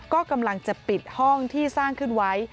ก็กำลังจะปิดห้องที่สร้างขึ้นไว้